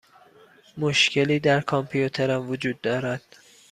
مشکلی در کامپیوترم وجود دارد.